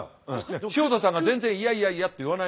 潮田さんが全然「いやいやいや」って言わない。